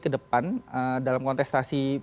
ke depan dalam kontestasi